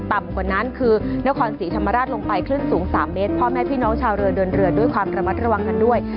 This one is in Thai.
ต่ำกว่านั้นคือเนื้อคอนสีธรรมราชลงไปขึ้นสูง๓เมตรชาวเรือดื่นเรือด้วยความระมัดระวังด้วย